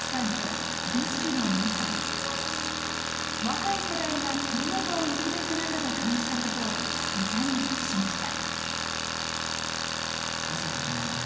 若い世代がコロナ禍を生き抜く中で感じたことを歌に託しました